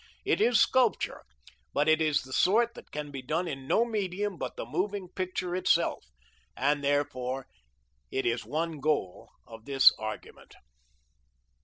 It is sculpture, but it is the sort that can be done in no medium but the moving picture itself, and therefore it is one goal of this argument.